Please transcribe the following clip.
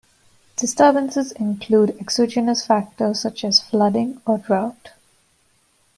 Disturbances include exogenous factors such as flooding or drought.